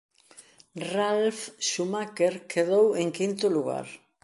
Ralf Schumacher quedou en quinto lugar.